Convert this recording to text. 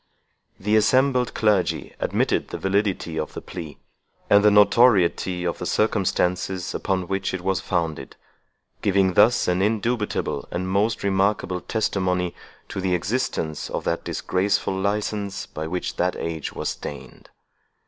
The assembled clergy admitted the validity of the plea, and the notoriety of the circumstances upon which it was founded; giving thus an indubitable and most remarkable testimony to the existence of that disgraceful license by which that age was stained.